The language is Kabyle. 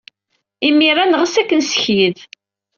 Imir-a, neɣs ad k-nessekyed.